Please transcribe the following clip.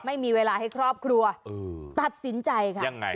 ไม่มีเวลาให้ครอบครัวตัดสินใจค่ะยังไง